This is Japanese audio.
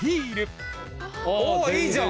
おおいいじゃん！